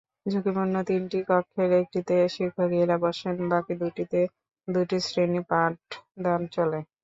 ঝুঁকিপূর্ণ তিনটি কক্ষের একটিতে শিক্ষকেরা বসেন, বাকি দুটিতে দুটি শ্রেণির পাঠদান চলে।